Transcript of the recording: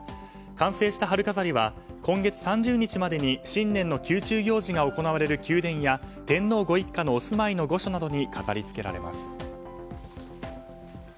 完成した春飾りは今月３０日までに新年の宮中行事が行われる宮殿や天皇ご一家のお住まいの御所などに飾り付けられます。